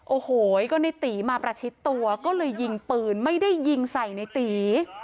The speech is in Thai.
โอ้โหก็ในตีมาประชิดตัวก็เลยยิงปืนไม่ได้ยิงใส่ในตี